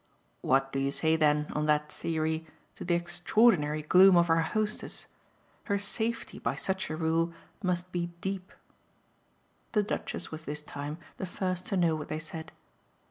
"What do you say then, on that theory, to the extraordinary gloom of our hostess? Her safety, by such a rule, must be deep." The Duchess was this time the first to know what they said.